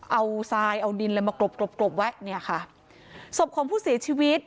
เอาทรายเอาดินอะไรมากรบกลบกลบไว้เนี่ยค่ะศพของผู้เสียชีวิต